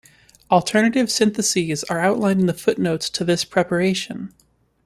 Alternative syntheses are outlined in the footnotes to this preparation.